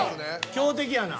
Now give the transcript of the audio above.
強敵やな。